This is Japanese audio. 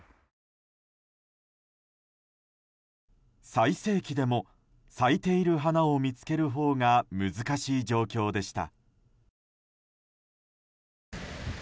最盛期でも咲いている花を見つけるほうが難しい状況でした。